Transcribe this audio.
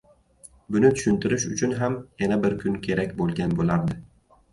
Buni tushuntirish uchun ham yana bir kun kerak boʻlgan boʻlardi.